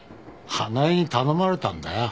英恵に頼まれたんだよ。